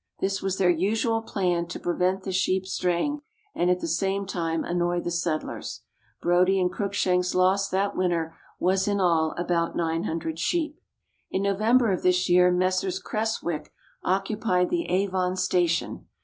This was their usual plan to prevent the sheep straying, and at the same time annoy the settlers. Brodie and Cruikshank's loss that winter was in all about 900 sheep. In November of this year Messrs. Creswick occupied the Avon Station.